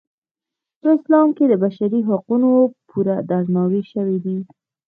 په اسلام کې د بشري حقونو پوره درناوی شوی دی.